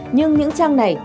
nhưng những trang này